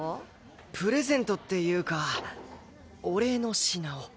プレゼントっていうかお礼の品を。